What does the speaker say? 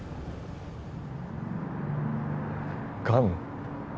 がん？